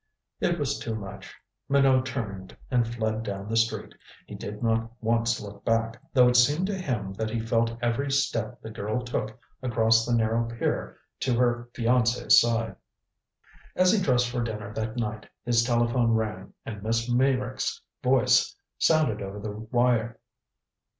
It was too much. Minot turned and fled down the street. He did not once look back, though it seemed to him that he felt every step the girl took across that narrow pier to her fiancé's side. As he dressed for dinner that night his telephone rang, and Miss Meyrick's voice sounded over the wire.